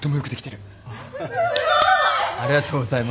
ありがとうございます。